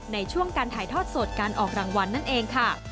ในช่วงการถ่ายทอดสดการออกรางวัลนั่นเองค่ะ